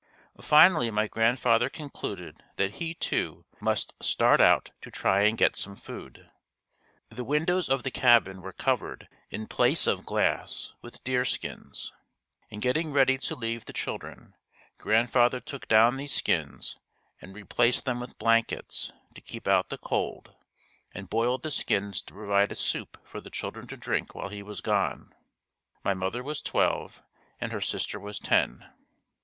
Finally my grandfather concluded that he, too, must start out to try and get some food. The windows of the cabin were covered in place of glass, with deerskins. In getting ready to leave the children, grandfather took down these skins and replaced them with blankets to keep out the cold and boiled the skins to provide a soup for the children to drink while he was gone. My mother was twelve and her sister was ten.